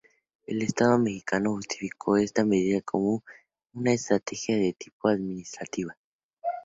El Estado Mexicano justificó esta medida como una estrategia de tipo administrativa.